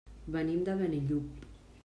Venim de Benillup.